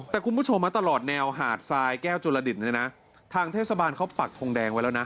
แต่คุณผู้ชมตลอดแนวหาดทรายแก้วจุลดิตเนี่ยนะทางเทศบาลเขาปักทงแดงไว้แล้วนะ